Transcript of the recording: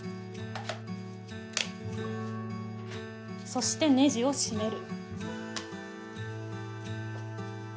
そしてネジを締める。